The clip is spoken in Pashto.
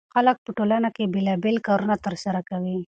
خلک په ټولنه کې بېلابېل کارونه ترسره کوي.